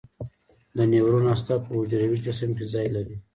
د نیورون هسته په حجروي جسم کې ځای لري.